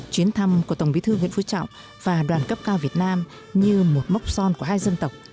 chuyến thăm của tổng bí thư nguyễn phú trọng và đoàn cấp cao việt nam như một mốc son của hai dân tộc